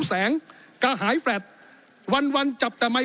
ขอประท้วงครับขอประท้วงครับขอประท้วงครับขอประท้วงครับ